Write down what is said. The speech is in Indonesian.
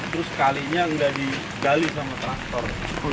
terus kalinya nggak digali sama traktor